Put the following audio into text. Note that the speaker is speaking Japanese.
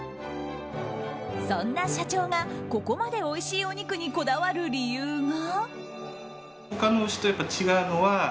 そんな社長が、ここまでおいしいお肉にこだわる理由が。